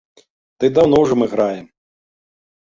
Ды даўно мы ўжо граем.